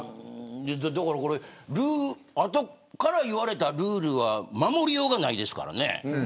あとから言われたルールは守りようがないですよね。